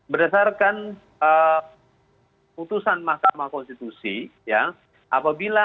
berdasarkan putusan mahkamah konstitusi